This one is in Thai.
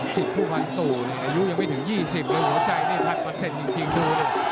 สิทธิ์ผู้พันธุอายุยังไม่ถึง๒๐แล้วหัวใจนี่๑๐๐๐จริงดูดิ